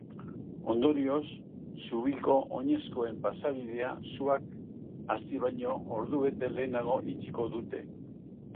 Ondorioz, zubiko oinezkoen pasabidea suak hasi baino ordubete lehenago itxiko dute.